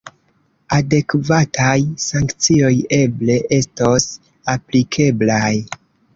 Adekvataj sankcioj eble estos aplikeblaj.